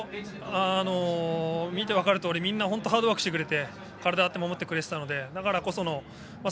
見て分かるとおりみんなハードワークしてくれて体を張って守ってくれたからこその。